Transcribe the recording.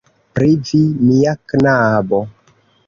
Pri vi, mia knabo.